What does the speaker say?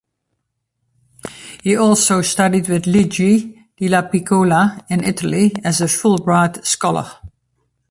He also studied with Luigi Dallapiccola in Italy as a Fulbright Scholar.